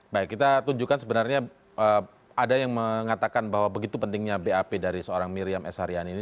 baik kita tunjukkan sebenarnya ada yang mengatakan bahwa begitu pentingnya bap dari seorang miriam s haryani ini